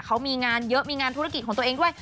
เขามีงานเยอะมีงานธุรกิจของตัวเองด้วย